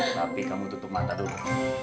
tapi kamu tutup mata dulu